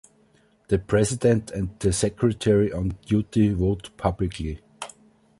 The president and the secretary on duty vote publicly.